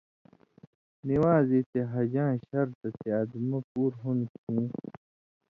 نِوان٘ز یی تے حَجاں شرطہ تے اَدمہ پُور ہون کھیں۔